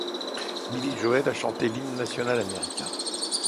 Billy Joel a chanté l'hymne national américain.